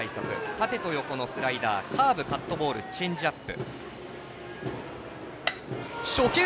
縦と横のスライダーカーブ、カットボールチェンジアップ。